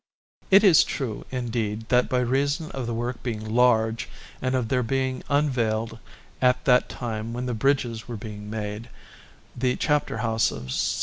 It is true, indeed, that by reason of the work being large and of there being unveiled, at that time when the bridges were being made, the Chapter house of S.